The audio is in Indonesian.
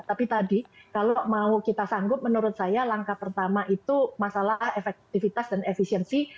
tapi tadi kalau mau kita sanggup menurut saya langkah pertama itu masalah efektivitas dan efisiensi